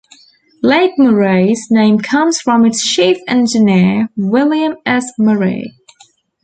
Lake Murray's name comes from its chief engineer William S. Murray.